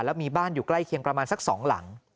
แล้วมีบ้านอยู่ใกล้เคียงประมาณสัก๒หลัง